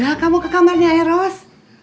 ya udah kamu ke kamarnya ya ros